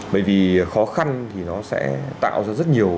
bởi vì khó khăn thì nó sẽ tạo ra rất nhiều